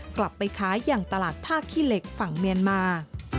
กลับไปขายอย่างตลาดท่าขี้เหล็กฝั่งเมียนมา